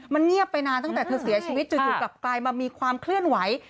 มันเงียบไปนานตั้งแต่เธอเสียชีวิตจู่กลับกลายมามีความเคลื่อนไหว